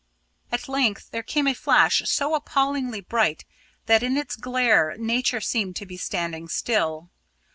At length there came a flash so appallingly bright that in its glare Nature seemed to be standing still.